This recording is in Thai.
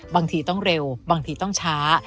บางทีต้องเร็วบางทีต้องช้า